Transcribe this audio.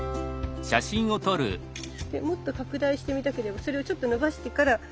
もっと拡大して見たければそれをちょっとのばしてから。